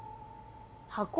箱？